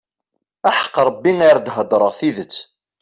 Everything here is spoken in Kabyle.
Aḥeqq Rebbi ar d-heddṛeɣ tidet.